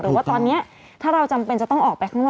หรือว่าตอนนี้ถ้าเราจำเป็นจะต้องออกไปข้างนอก